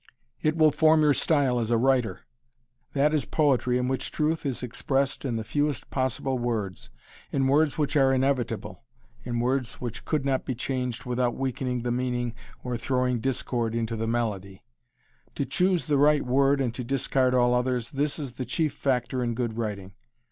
It will form your style as a writer. That is poetry in which truth is expressed in the fewest possible words, in words which are inevitable, in words which could not be changed without weakening the meaning or throwing discord into the melody. To choose the right word and to discard all others, this is the chief factor in good writing.